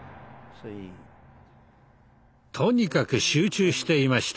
とにかく集中していました。